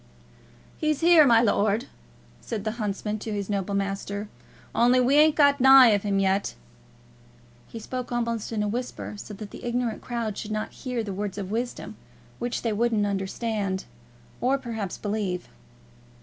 "He's here, my lord," said the huntsman to his noble master, "only we ain't got nigh him yet." He spoke almost in a whisper, so that the ignorant crowd should not hear the words of wisdom, which they wouldn't understand or perhaps believe.